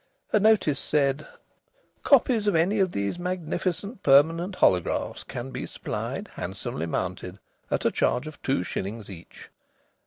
A notice said: "_Copies of any of these magnificent permanent holographs can be supplied, handsomely mounted, at a charge of two shillings each.